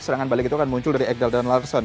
serangan balik itu akan muncul dari ekdal dan larsson